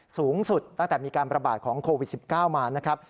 สูงสุดตั้งแต่มีการประบาดของโควิด๑๙มานะครับ